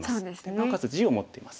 なおかつ地を持っています。